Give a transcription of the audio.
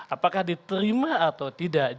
apakah diterima atau tidak